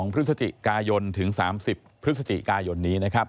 พฤศจิกายนถึง๓๐พฤศจิกายนนี้นะครับ